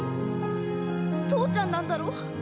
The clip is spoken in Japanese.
父ちゃんなんだろ？